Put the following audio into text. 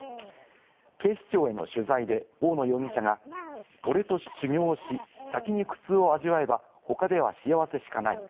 警視庁への取材で大野容疑者が俺と修行し、先に苦痛を味わえば、他では幸せしかない。